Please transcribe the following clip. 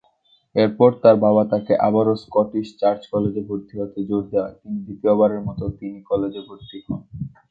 এরপর তার বাবা তাকে আবারো স্কটিশ চার্চ কলেজে ভর্তি হতে জোর দেওয়ায় তিনি দ্বিতীয়বারের মতো তিনি কলেজে ভর্তি হন।